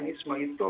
gimana pengertian itu